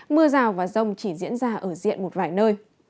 mưa rào và rông chỉ diễn ra ở diện một vài nơi